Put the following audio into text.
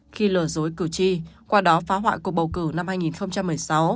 khi lừa dối cử tri qua đó phá hoại cuộc bầu cử năm hai nghìn một mươi sáu